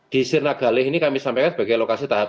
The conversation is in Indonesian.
di sirna galeh ini kami sampaikan sebagai lokasi tahap